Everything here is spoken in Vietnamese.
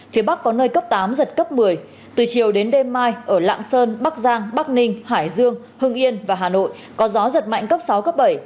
phía bắc có nơi cấp tám giật cấp một mươi từ chiều đến đêm mai ở lạng sơn bắc giang bắc ninh hải dương hưng yên và hà nội có gió giật mạnh cấp sáu cấp bảy